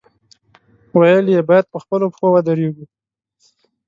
ویل یې، باید په خپلو پښو ودرېږو.